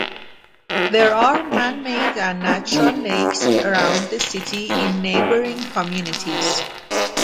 There are man-made and natural lakes around the city in neighbouring communities.